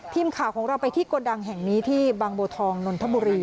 ทีมข่าวของเราไปที่โกดังแห่งนี้ที่บางบัวทองนนทบุรี